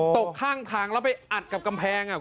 ตกข้างทางแล้วไปอัดกับกำแพง